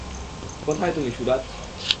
কোথায় তুমি, সুরাজ?